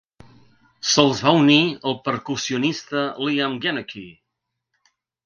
Se'ls va unir el percussionista Liam Genockey.